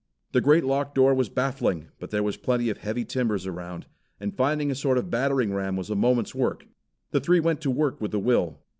The great locked door was baffling; but there was plenty of heavy timbers around, and finding a sort of battering ram was a moment's work. The three went to work with a will.